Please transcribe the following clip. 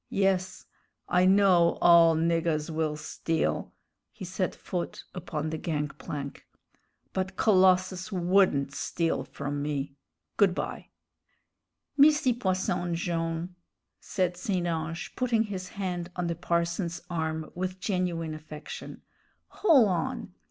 Yes, I know all niggahs will steal" he set foot upon the gang plank "but Colossus wouldn't steal from me. Good by." "Misty Posson Jone'," said St. Ange, putting his hand on the parson's arm with genuine affection, "hol' on.